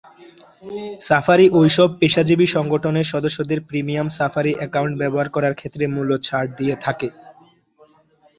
Safari এইসব পেশাজীবী সংগঠনের সদস্যদের প্রিমিয়াম সাফারি একাউন্ট ব্যবহার করার ক্ষেত্রে মূল্যছাড় দিয়ে থাকে।